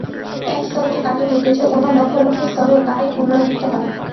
এক স্তরে যে কার্য হইতেছে, অন্য লক্ষ লক্ষ স্তরেও তাহাই পুনরাবর্তিত হয়।